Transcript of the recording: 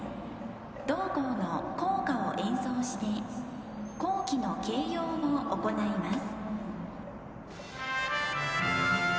同校の校歌を演奏して校旗の掲揚を行います。